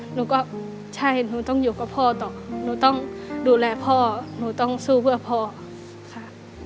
หนูก็ใช่หนูต้องอยู่กับพ่อต่อหนูต้องดูแลพ่อหนูต้องสู้เพื่อพ่อค่ะ